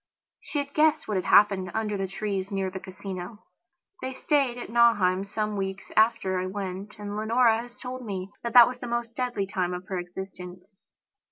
She had guessed what had happened under the trees near the Casino. They stayed at Nauheim some weeks after I went, and Leonora has told me that that was the most deadly time of her existence.